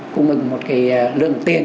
cũng được một cái lượng tiền